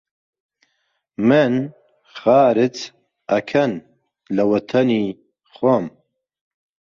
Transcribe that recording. من خارج ئەکەن لە وەتەنی خۆم!؟